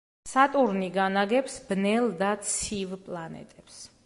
სატურნი განაგებს ბნელ და ცივ პლანეტებს.